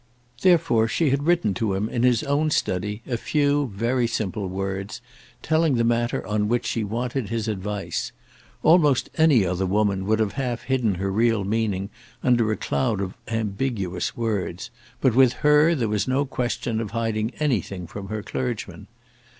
Therefore she had written to him, in his own study, a few very simple words, telling the matter on which she wanted his advice. Almost any other woman would have half hidden her real meaning under a cloud of ambiguous words; but with her there was no question of hiding anything from her clergyman.